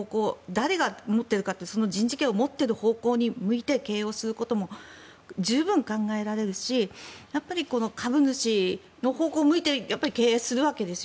誰が人事権を持っているかというとその人事権を持っているほうに経営をすることも十分考えられるし株主の方向を向いて経営するわけですよ